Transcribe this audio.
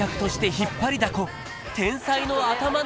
引っ張りだこ